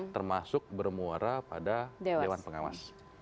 termasuk bermuara pada dewan pengawas